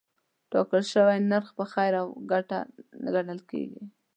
ټاکل شوی نرخ په خیر او ګټه ګڼل کېږي.